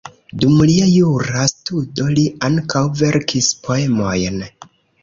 Dum lia jura studo li ankaŭ verkis poemojn.